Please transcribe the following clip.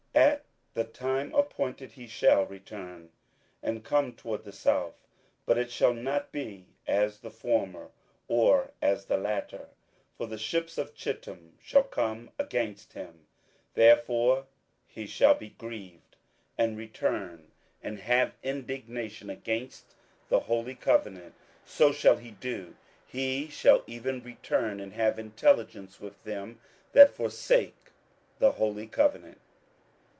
27:011:029 At the time appointed he shall return, and come toward the south; but it shall not be as the former, or as the latter. 27:011:030 For the ships of Chittim shall come against him: therefore he shall be grieved, and return, and have indignation against the holy covenant: so shall he do; he shall even return, and have intelligence with them that forsake the holy covenant.